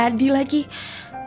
udah udah udah